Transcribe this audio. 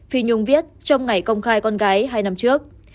phi nhung viết trong ngày công khai con gái hai năm trước